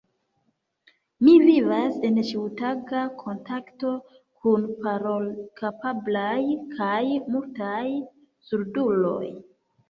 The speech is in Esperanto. Mi vivas en ĉiutaga kontakto kun parolkapablaj kaj mutaj surduloj.